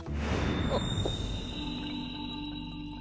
あっ。